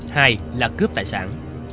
hai là cướp tài sản